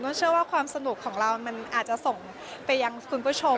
ก็เชื่อว่าความสนุกของเรามันอาจจะส่งไปยังคุณผู้ชม